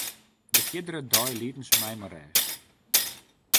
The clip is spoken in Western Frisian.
De fierdere dei lieten se my mei rêst.